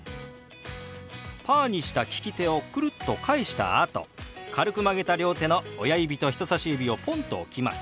パーにした利き手をくるっと返したあと軽く曲げた両手の親指と人さし指をポンと置きます。